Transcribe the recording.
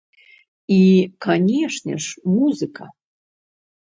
І, канешне ж, музыка.